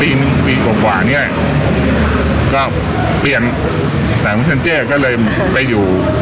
ปีหนึ่งปีกว่าเนี้ยก็เปลี่ยนแต่เมคเซ็นเจอร์ก็เลยไปอยู่